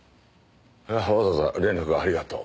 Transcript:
わざわざ連絡ありがとう。